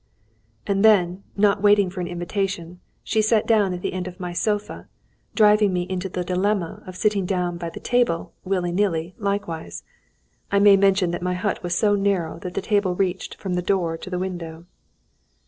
And then, not waiting for an invitation, she sat down at the end of my sofa, driving me into the dilemma of sitting down by the table, willy nilly, likewise. I may mention that my hut was so narrow that the table reached from the door to the window.